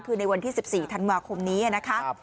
คือในวันที่๑๔ธันวาคมนี้นะคะ